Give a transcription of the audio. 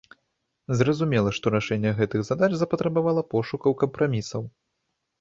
Зразумела, што рашэнне гэтых задач запатрабавала пошукаў кампрамісаў.